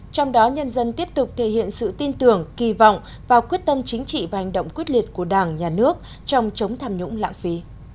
trong đó nhân dân tiếp tục thể hiện sự tin tưởng kỳ vọng vào quyết tâm chính trị và hành động quyết liệt của đảng nhà nước trong chống tham nhũng lãng phí